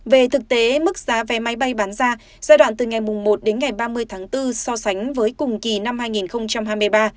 về thực tế mức giá vé máy bay bán ra giai đoạn từ ngày một đến ngày ba mươi tháng bốn so sánh với cùng kỳ năm hai nghìn hai mươi ba